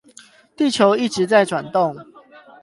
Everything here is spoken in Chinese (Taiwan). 地球一直在轉動